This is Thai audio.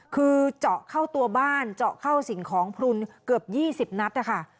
คือเจาะเข้าตัวบ้านเจาะเข้าสิ่งของพลุนเกือบ๒๐นัดนะคะ